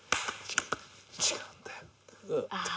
違うんだよ。